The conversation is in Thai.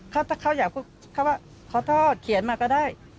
ถ้าเขาอยากขอโทษเขียนมาก็ได้